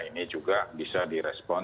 ini juga bisa di respon